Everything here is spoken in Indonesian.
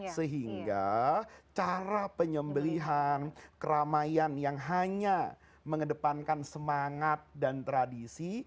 sehingga cara penyembelihan keramaian yang hanya mengedepankan semangat dan tradisi